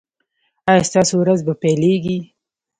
ایا ستاسو ورځ به پیلیږي؟